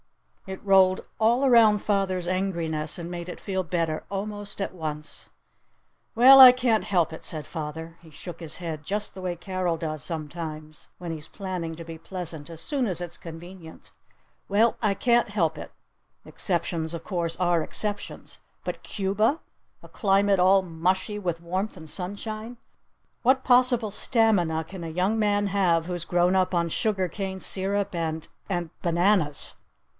It rolled all around father's angriness and made it feel better almost at once. "Well, I can't help it," said father. He shook his head just the way Carol does sometimes when he's planning to be pleasant as soon as it's convenient. "Well, I can't help it! Exceptions, of course, are exceptions! But Cuba? A climate all mushy with warmth and sunshine! What possible stamina can a young man have who's grown up on sugar cane sirup and and bananas?"